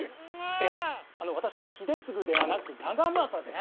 いや私は秀次ではなく長政です。